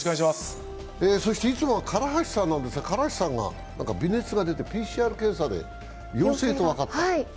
そしていつもは唐橋さんなんですが、唐橋さんが微熱が出てＰＣＲ検査で陽性と分かったと。